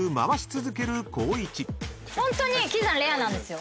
ホントに喜山レアなんですよ。